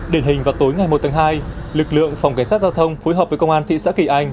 đỉnh hình vào tối ngày một tuần hai lực lượng phòng cánh sát gia thông phối hợp với công an thị xã kỳ anh